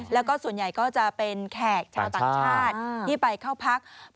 แล้วก็ส่วนใหญ่ก็จะเป็นแขกชาวต่างชาติที่ไปเข้าพัก